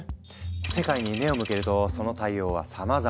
世界に目を向けるとその対応はさまざま。